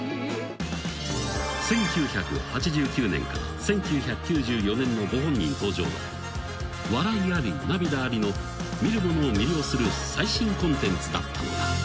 ［１９８９年から１９９４年のご本人登場は笑いあり涙ありの見る者を魅了する最新コンテンツだったのだ］